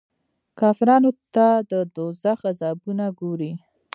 کافرانو ته د دوږخ عذابونه ګوري.